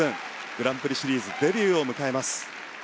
グランプリシリーズデビューを迎えます。